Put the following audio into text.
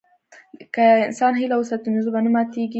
که انسان هیله وساتي، نو زړه به نه ماتيږي.